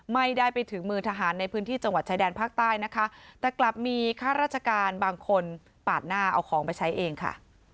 ไม่ได้ไปถึงมือทหารในพื้นที่จังหวัดชายแดนภาคใต้นะคะแต่กลับมีค่าราชการบางคนปาดหน้าเอาของไปใช้เองค่ะ